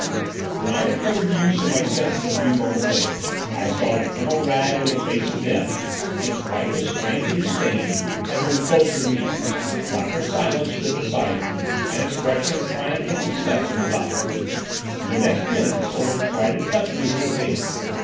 When I recovered the use of my senses a few moments later I saw that Colonel Wragge with a face of death, its whiteness strangely stained, had moved closer to me. Dr. Silence stood beside him, an expression of triumph and success in his eyes. The next minute the soldier tried to clutch me with his hand.